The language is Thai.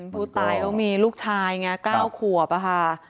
ผู้ตายเขามีลูกชายไง๙ขวบอะค่ะ